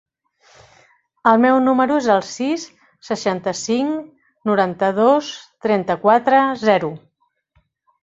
El meu número es el sis, seixanta-cinc, noranta-dos, trenta-quatre, zero.